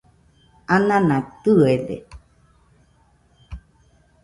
anana tɨede